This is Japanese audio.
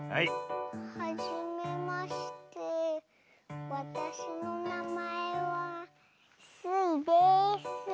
はじめましてわたしのなまえはスイです。